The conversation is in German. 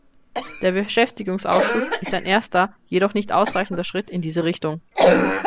Der Beschäftigungsausschuss ist ein erster, jedoch noch nicht ausreichender Schritt in diese Richtung.